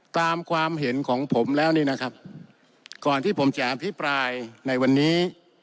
ความเห็นของผมแล้วนี่นะครับก่อนที่ผมจะอภิปรายในวันนี้